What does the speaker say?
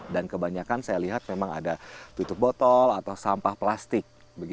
dan kebanyakan saya melihat ada tutup botol atau sampah plastik